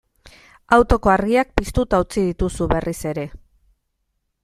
Autoko argiak piztuta utzi dituzu berriz ere.